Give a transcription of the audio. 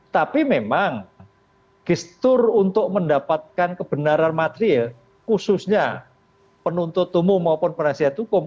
tapi memang gestur untuk mendapatkan kebenaran material khususnya penuntut umum maupun penasihat hukum